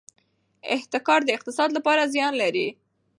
احتکار د اقتصاد لپاره زیان لري.